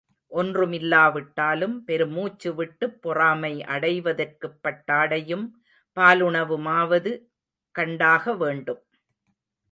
ஒன்றுமில்லாவிட்டாலும் பெருமூச்சு விட்டுப் பொறாமை அடைவதற்குப் பட்டாடையும், பாலுணவு மாவது கண்டாக வேண்டும்.